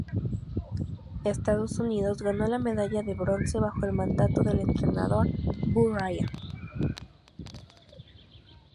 Estados Unidos ganó la medalla de bronce bajo el mandato del entrenador Bo Ryan.